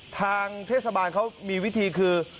ทางเทศบาลเขามีวิธีคือ